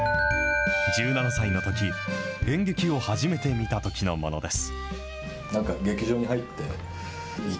１７歳のとき、演劇を初めて見たときのものです。